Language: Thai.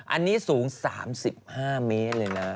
อันนี้สูง๓๕เมตรเลยนะ